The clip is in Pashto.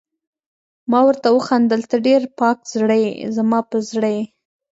ما ورته وخندل: ته ډېره پاک زړه يې، زما په زړه یې.